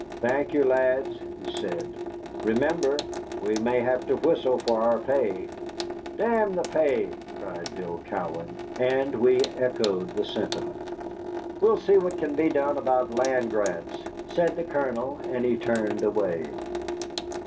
"Thank you, lads," he said; "remember, we may have to whistle for our pay." "Damn the pay!" cried Bill Cowan, and we echoed the sentiment. "We'll see what can be done about land grants," said the Colonel, and he turned away.